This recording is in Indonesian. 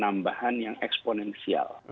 ada penambahan yang eksponensial